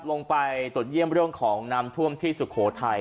ลงไปตรวจเยี่ยมเรื่องของน้ำท่วมที่สุโขทัย